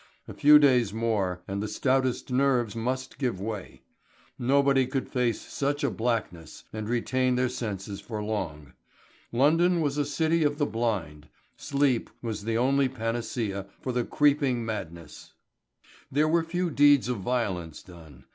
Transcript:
A few days more and the stoutest nerves must give way. Nobody could face such a blackness and retain their senses for long. London was a city of the blind. Sleep was the only panacea for the creeping madness. There were few deeds of violence done.